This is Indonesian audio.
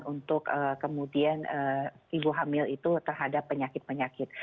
untuk kemudian ibu hamil itu terhadap penyakit penyakit